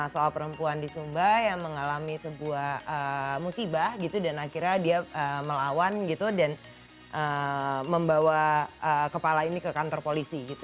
soal perempuan di sumba yang mengalami sebuah musibah gitu dan akhirnya dia melawan gitu dan membawa kepala ini ke kantor polisi gitu